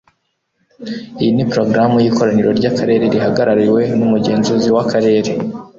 Iyi ni porogaramu y'ikoraniro ry'akarere rihagarariwe n'umugenzuzi w'akarere.